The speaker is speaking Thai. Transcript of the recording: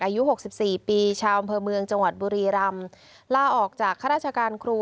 หกสิบสี่ปีชาวอำเภอเมืองจังหวัดบุรีรำล่าออกจากข้าราชการครู